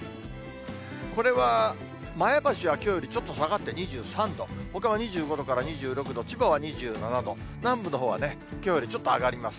これは、前橋はきょうよりちょっと下がって２３度、ほかは２５度から２６度、千葉は２７度、南部のほうはね、きょうよりちょっと上がります。